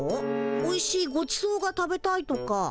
おいしいごちそうが食べたいとか。